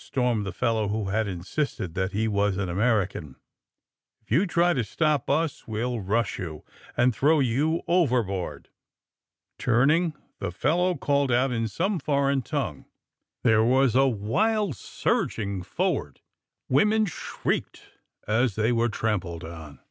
'' stormed the fellow who had insisted that he was an American. *^If you try to stop us, we'll rush you and throw you overboard." Turning, the fellow called out in some foreign tongue. There was a wild surging forward. Women shrieked as they were trampled on.